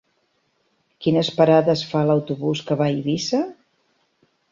Quines parades fa l'autobús que va a Eivissa?